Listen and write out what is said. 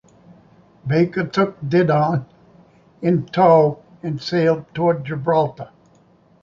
Baker took "Didon" in tow and sailed towards Gibraltar.